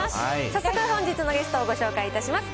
早速、本日のゲストをご紹介いたします。